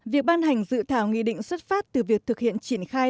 việc ban hành dự thảo nghị định xuất phát từ việc thực hiện triển khai